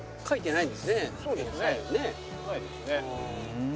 ないですね。